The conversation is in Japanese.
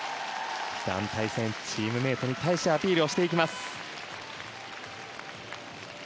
団体戦、チームメートに対しアピールしていきます。